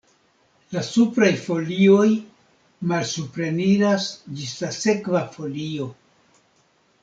La supraj folioj malsupreniras ĝis la sekva folio.